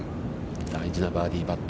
大事なバーディーパット。